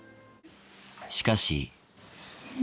しかし。